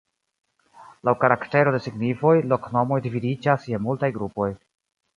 Laŭ karaktero de signifoj, loknomoj dividiĝas je multaj grupoj.